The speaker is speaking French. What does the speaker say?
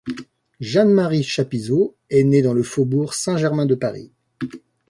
Jeanne-Marie Chapiseau est née dans le faubourg Saint-Germain de Paris.